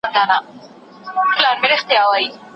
شمع نه په زړه کي دښمني لري